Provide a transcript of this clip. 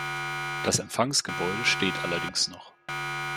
Das Empfangsgebäude steht allerdings noch.